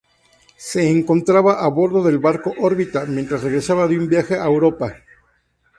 Se encontraba a bordo del barco "Orbita" mientras regresaba de un viaje a Europa.